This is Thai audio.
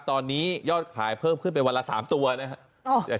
ตอนนี้ยอดขายเพิ่มขึ้นไปวันละ๓ตัวนะครับ